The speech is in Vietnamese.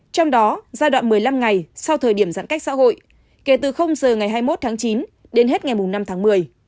trong đó giai đoạn một mươi năm ngày sau thời điểm giãn cách xã hội kể từ giờ ngày hai mươi một tháng chín đến hết ngày năm tháng một mươi